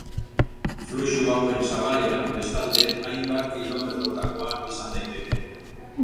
Fluxu hauen zabalera, bestalde, hainbat kilometroetakoa izan daiteke.